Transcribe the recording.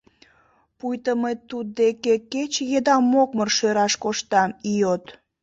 Пуйто мый туддеке кече еда мокмыр шӧраш коштам, ийот!